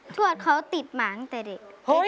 ทวดเขาติดหมาตั้งแต่เด็ก